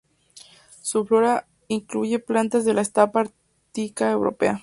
Su flora incluye plantas de la estepa ártica europea.